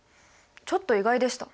ちょっと意外でした。